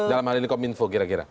dalam hal ini kominfo kira kira